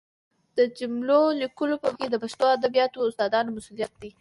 د جملو لیکلو په برخه کې د پښتو ادبیاتو استادانو مسؤلیت دی